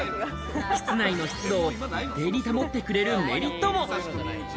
室内の湿度を一定に保ってくれるメリットも。